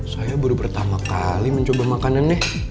saya baru pertama kali mencoba makanan nih